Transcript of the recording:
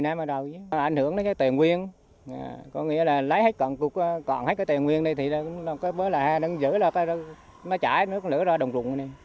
một mươi năm đầu ảnh hưởng đến cái tiền nguyên có nghĩa là lấy hết cận cục còn hết cái tiền nguyên đây thì nó có bới lại nó giữ ra nó chảy nước nữa ra đồng rụng này